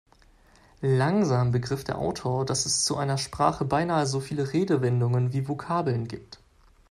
Langsam begriff der Autor, dass es zu einer Sprache beinahe so viele Redewendungen wie Vokabeln gibt.